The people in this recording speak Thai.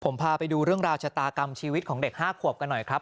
ผมพาไปดูเรื่องราวชะตากรรมชีวิตของเด็ก๕ขวบกันหน่อยครับ